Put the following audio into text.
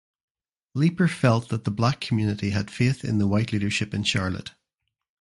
Leeper felt that the Black community had faith in the White leadership in Charlotte.